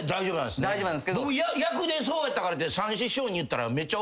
僕役でそうやったからって。